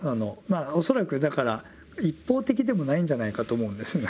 恐らくだから一方的でもないんじゃないかと思うんです。